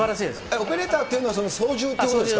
オペレーターというのは操縦ということですか？